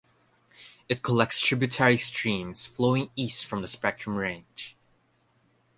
It collects tributary streams flowing east from the Spectrum Range.